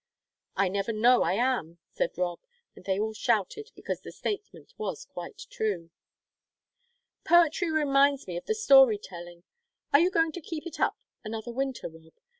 "I never know I am," said Rob, and they all shouted, because the statement was quite true. "Poetry reminds me of the story telling; are you going to keep it up another winter, Rob?